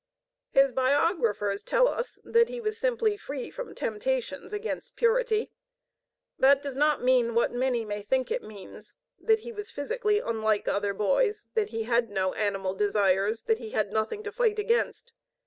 His biographers tell us that he was simply' free from temptations against purity. That does not mean what many may think it means: that he was physically unlike other boys, that he had no animal desires, that he had nothing to fight against.